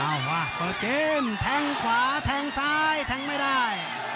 เอามาเปิดเกมแทงขวาแทงซ้ายแทงไม่ได้